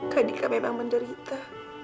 kalika memang menderita